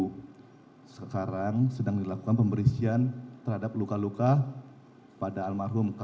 itu sekarang sedang dilakukan pemberisian terhadap luka luka pada almarhum